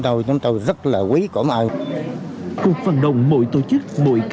đã thu hút nhiều tổ chức